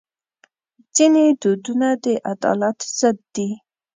ځینې دودونه د عدالت ضد دي.